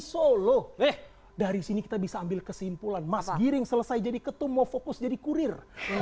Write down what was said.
solo leh dari sini kita bisa ambil kesimpulan mas giring selesai jadi ketum mau fokus jadi kurir